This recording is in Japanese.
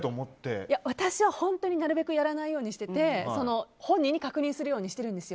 私は本当になるべくやらないようにしてて本人に確認するようにしてるんです。